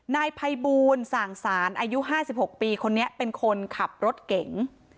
นายภัยบูลส่างสารอายุ๕๖ปีคนนี้เป็นคนขับรถเก๋ง